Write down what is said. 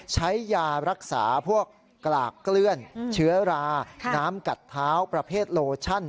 ใช้ยารักษาพวกกลากเกลือนเชื้อราน้ำกัดเท้าประเภทโลชั่น